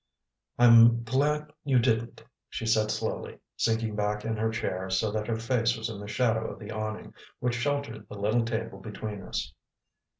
"I'm glad you didn't," she said slowly, sinking back in her chair so that her face was in the shadow of the awning which sheltered the little table between us.